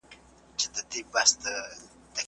د محلي پروژو پرمختګ د عامه همکاریو لپاره اړین دی.